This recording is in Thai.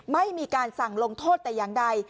ไม่มีการสั่งลงโทษแต่อย่างใด